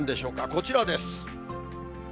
こちらです。